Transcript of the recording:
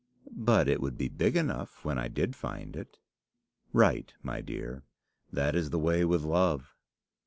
"But it would be big enough when I did find it." "Right, my dear. That is the way with love.